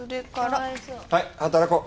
はい働こう。